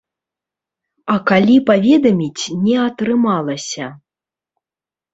А калі паведаміць не атрымалася?